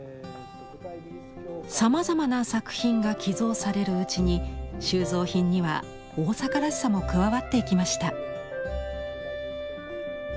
さまざまな作品が寄贈されるうちに収蔵品には大阪らしさも加わっていきました。